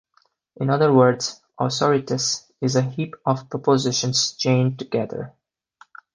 In other words, a sorites is a heap of propositions chained together.